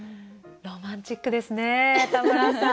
ロマンチックですね田村さん。